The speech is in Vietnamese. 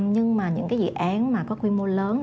nhưng những dự án có quy mô lớn